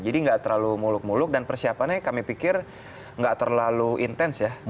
jadi enggak terlalu muluk muluk dan persiapannya kami pikir enggak terlalu intens ya